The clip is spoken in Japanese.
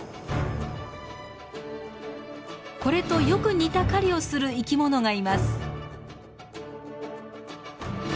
これとよく似た狩りをする生き物がいます。